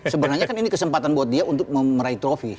sebenarnya kan ini kesempatan buat dia untuk meraih trofi